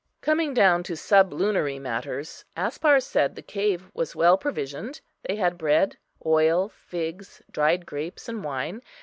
Coming down to sublunary matters, Aspar said the cave was well provisioned; they had bread, oil, figs, dried grapes, and wine.